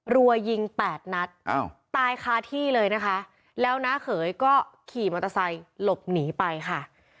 รัวยิงแปดนัดตายคาที่เลยนะคะแล้วน้าเขยก็ขี่มอเตอร์ไซค์หลบหนีไปค่ะ